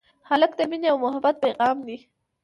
هلک د مینې او محبت پېغام دی.